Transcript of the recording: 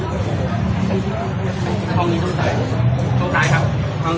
เมื่อผ่านที่นี้ที่สุดแก่อีกก็ยังมีกลดทาง